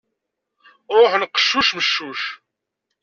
Ruḥen qeccuc meccuc.